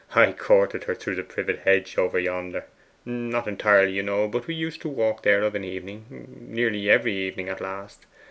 'I courted her through the privet hedge yonder: not entirely, you know, but we used to walk there of an evening nearly every evening at last.